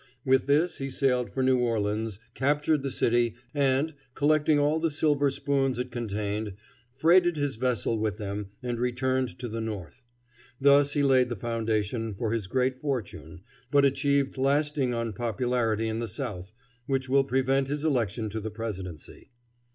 With this he sailed for New Orleans, captured the city, and, collecting all the silver spoons it contained, freighted his vessels with them, and returned to the North. Thus he laid the foundation for his great fortune, but achieved lasting unpopularity in the South, which will prevent his election to the Presidency."